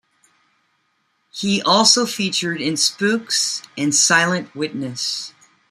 He also featured in "Spooks" and "Silent Witness".